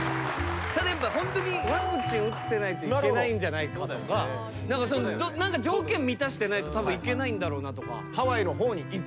ただやっぱホントにワクチン打ってないと行けないんじゃないかとか何か条件満たしてないとたぶん行けないんだろうなとか。